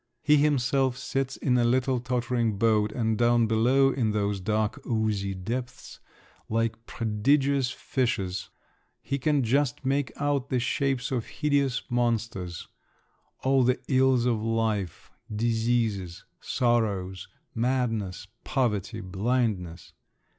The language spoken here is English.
He himself sits in a little tottering boat, and down below in those dark oozy depths, like prodigious fishes, he can just make out the shapes of hideous monsters: all the ills of life, diseases, sorrows, madness, poverty, blindness….